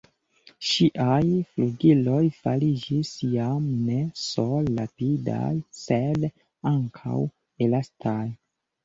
Ŝiaj flugiloj fariĝis jam ne sole rapidaj, sed ankaŭ elastaj!